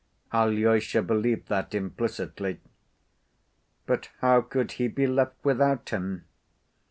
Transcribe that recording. Alyosha believed that implicitly. But how could he be left without him?